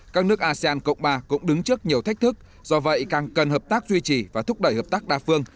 các nước asean cộng ba cũng đứng trước nhiều thách thức do vậy càng cần hợp tác duy trì và thúc đẩy hợp tác đa phương